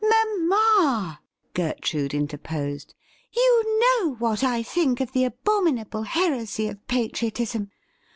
' Mamma,' Gertrude interposed, ' you know what I think of the abominable heresy of patriotism.